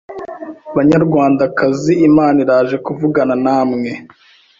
Banyarwandakazi imana iraje kuvugana namwe